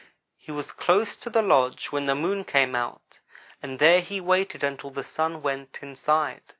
He was close to the lodge when the Moon came out, and there he waited until the Sun went inside.